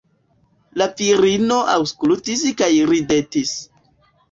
La virino aŭskultis kaj ridetis.